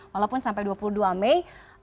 walaupun sampai dua puluh dua mei